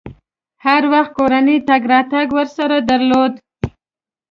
هر وخت کورنۍ تګ راتګ ورسره درلود.